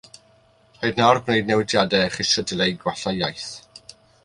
Rhaid nawr wneud newidiadau a cheisio dileu gwallau iaith